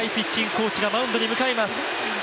コーチがマウンドに向かいます。